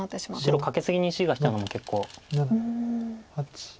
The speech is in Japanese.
白カケツギに石がきたのも結構。